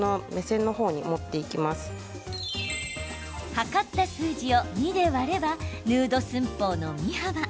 測った数字を２で割ればヌード寸法の身幅。